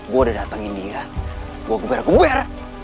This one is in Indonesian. gue udah datangin dia gue geber geber